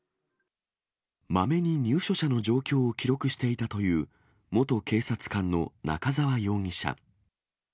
まめに入所者の状況を記録していたという元警察官の中沢容疑者。